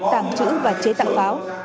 tặng chữ và chế tặng pháo